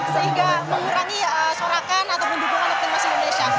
sehingga mengurangi sorakan ataupun dukungan tim masing masing indonesia